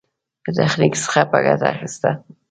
له تخنيک څخه په ګټه اخېستنه.